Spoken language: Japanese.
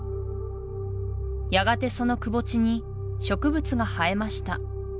やがてそのくぼ地に植物が生えました